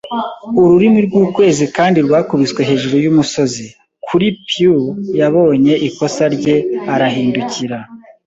urumuri rw'ukwezi kandi rwakubiswe hejuru yumusozi. Kuri Pew yabonye ikosa rye, arahindukira